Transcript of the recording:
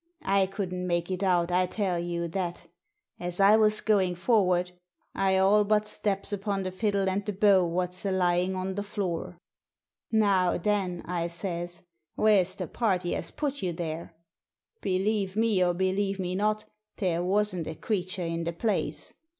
I couldn't make it out, I tell you that As I was going forward I all Digitized by VjOOQIC THE VIOLIN 109 but steps upon the fiddle and the bow whaf s a lying on the floor. * Now then/ I says ;' where's the party as put you there ?' Believe me, or believe me not, there wasn't a creature in the place.